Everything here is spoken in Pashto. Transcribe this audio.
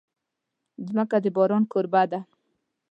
مځکه د باران کوربه ده.